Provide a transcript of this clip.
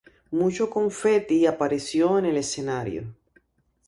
Mucho confeti apareció en el escenario.